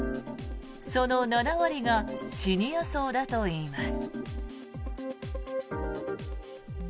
その７割がシニア層だといいます。